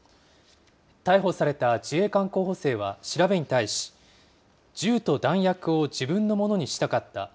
逮捕された自衛官候補生は調べに対し、銃と弾薬を自分のものにしたかった。